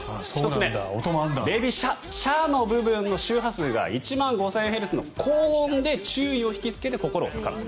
１つ目ベビシャ、シャの部分を周波数が１万５０００ヘルツの高音で注意を引きつけて心をつかむ。